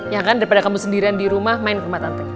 ya kan daripada kamu sendirian di rumah main ke rumah tante